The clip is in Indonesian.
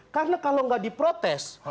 karena kalau nggak diprotes